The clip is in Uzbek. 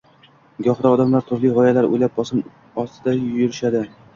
Gohida odamlar turli gʻoyalar oʻylab, bosim ostida yurishadi.